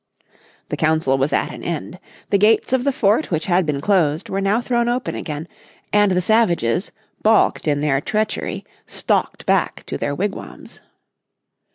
The Council was at an end. The gates of the fort which had been closed were now thrown open again, and the savages, balked in their treachery, stalked back to their wigwams.